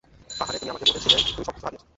পাহাড়ে, তুমি আমাকে বলেছিলে তুমি সবকিছু হারিয়েছ।